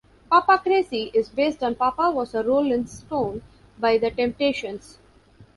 "Papa Crazy" is based on "Papa Was a Rollin' Stone" by The Temptations.